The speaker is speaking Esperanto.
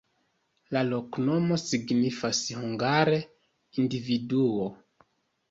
La loknomo signifas hungare: individuo.